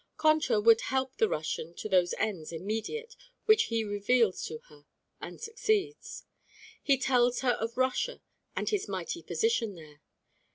Concha would help the Russian to those ends immediate which he reveals to her, and succeeds. He tells her of Russia and his mighty position there.